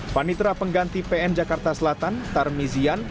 panitra pengganti pn jakarta selatan tarmizian